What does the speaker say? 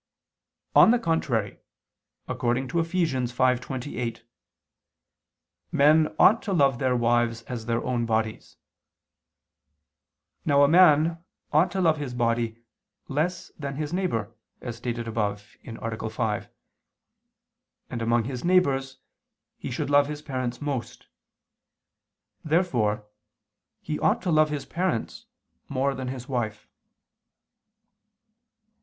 On the contrary, According to Eph. 5:28, "men ought to love their wives as their own bodies." Now a man ought to love his body less than his neighbor, as stated above (A. 5): and among his neighbors he should love his parents most. Therefore he ought to love his parents more than his wife.